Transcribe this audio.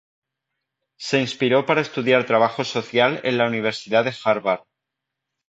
Se inspiró para estudiar Trabajo Social en la Universidad de Harvard.